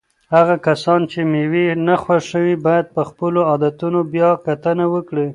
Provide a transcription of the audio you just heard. هغه کسان چې مېوې نه خوښوي باید په خپلو عادتونو بیا کتنه وکړي.